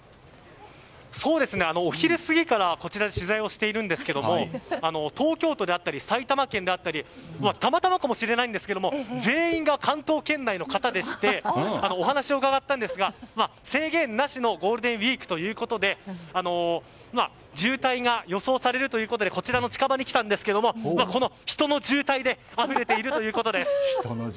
お昼過ぎからこちらで取材をしてるんですけど東京都だったり埼玉県だったりたまたまかもしれないんですが全員が関東圏内の方でしてお話を伺ったんですが制限なしのゴールデンウィークということで渋滞が予想されるということでこちらの近場に来たんですが人の渋滞であふれているということです。